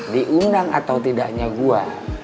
diundang atau tidaknya gua